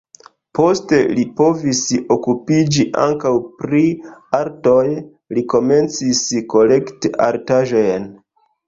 Poste li povis okupiĝi ankaŭ pri artoj, li komencis kolekti artaĵojn.